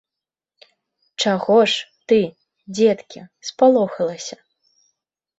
Чаго ж, ты, дзеткі, спалохалася?